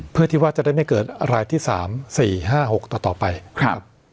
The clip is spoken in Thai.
เพื่อที่ว่าจะได้ไม่เกิดรายที่สามสี่ห้าหกต่อต่อไปครับ